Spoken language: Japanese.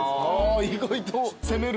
意外と攻める。